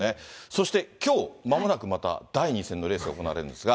そしてきょう、まもなくまた、第２戦のレースが行われるんですが。